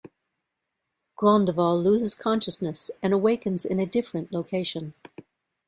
Grondoval loses consciousness and awakens in a different location.